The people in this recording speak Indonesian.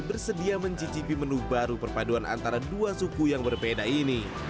bersedia mencicipi menu baru perpaduan antara dua suku yang berbeda ini